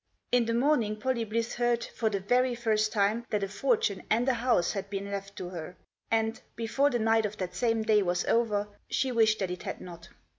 In the morning Pollie Blyth heard, for the very first time, that a fortune and a house had been left to her, and, before the night of that same day was over, she wished that it had not.